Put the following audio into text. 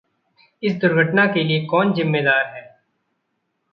इस दुर्घटना के लिए कौन ज़िम्मेदार है?